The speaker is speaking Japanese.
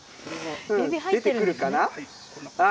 出てくるかな？